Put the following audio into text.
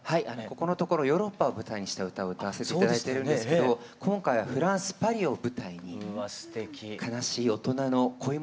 ここのところヨーロッパを舞台にした歌を歌わせて頂いてるんですけど今回はフランス・パリを舞台に悲しい大人の恋物語を歌わせて頂きます。